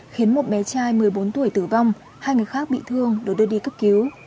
khiến một bé trai một mươi bốn tuổi tử vong hai người khác bị thương được đưa đi cấp cứu